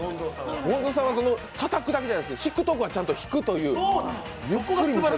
ゴンゾーさんはたたくだけじゃなくて引くとこはちゃんと引くという。